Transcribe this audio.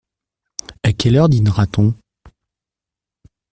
À quelle heure dînera-t-on ?